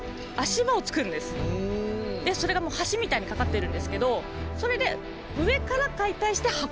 でそれがもう橋みたいに架かってるんですけどそれで上から解体して運ぶ。